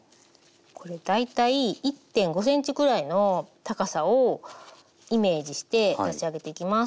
これ大体１．５ｃｍくらいの高さをイメージして立ち上げていきます。